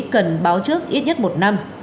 cần báo trước ít nhất một năm